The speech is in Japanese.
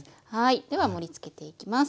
では盛りつけていきます。